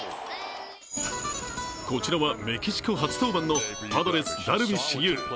こちらはメキシコ初登板のパドレス・ダルビッシュ有。